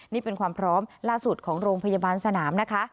นี่เป็นความพร้อมล่าสุดของโรงพยาบาลสนามนะคะ